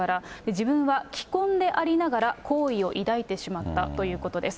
自分は既婚でありながら、好意を抱いてしまったということです。